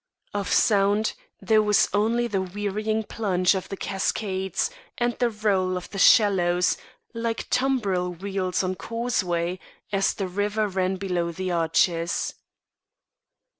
Of sound there was only the wearying plunge of the cascades and the roll of the shallows like tumbril wheels on causeway as the river ran below the arches.